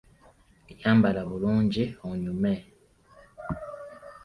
Yambala bulungi onyume.